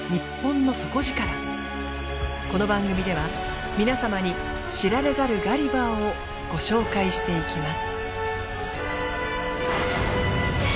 この番組では皆様に知られざるガリバーをご紹介していきます。